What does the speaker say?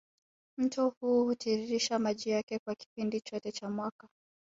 Mto huu hutiririsha maji yake kwa kipindi chote cha mwaka